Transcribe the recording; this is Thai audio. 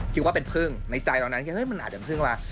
คิดว่าเป็นพึ่งในใจตอนนั้นคิดว่ามันอาจจะเป็นพึ่งมา